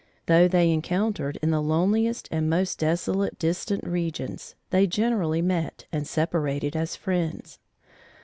Though they encountered in the loneliest and most desolate distant regions, they generally met and separated as friends.